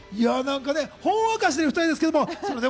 ほんわかしている２人ですけど。